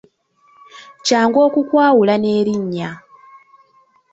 Kyangu okukwawula n'erinnya.